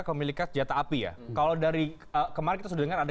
kalau dari kemarin kita sudah dengar